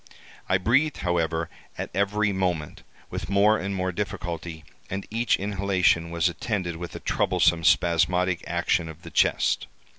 I breathed, however, at every moment, with more and more difficulty, and each inhalation was attended with a troublesome spasmodic action of the chest.